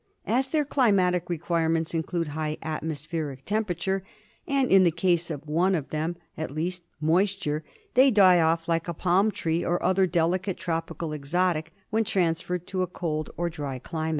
As their climatic requirements include high atmospheric temperature and, in the case of one of them at least, moisture, they die off like a palm tree or other delicate tropical exotic when transferred to a cold or dry climate.